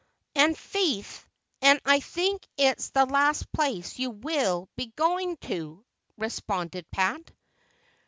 "An' faith, an' I think it's the last place you will be goin' to," responded Pat.